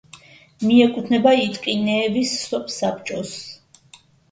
მიეკუთვნება იტკინეევის სოფსაბჭოს.